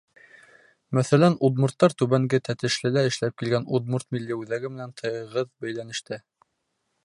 Мәҫәлән, удмурттар Түбәнге Тәтешлелә эшләп килгән Удмурт милли үҙәге менән тығыҙ бәйләнештә.